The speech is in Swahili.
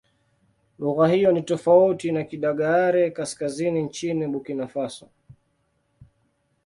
Lugha hiyo ni tofauti na Kidagaare-Kaskazini nchini Burkina Faso.